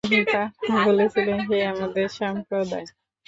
তারা বলেছিল, হে আমাদের সম্প্রদায়!